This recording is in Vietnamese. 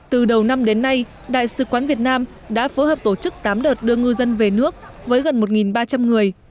từ đầu năm đến nay đại sứ quán việt nam đã phối hợp tổ chức tám đợt đưa ngư dân về nước với gần một ba trăm linh người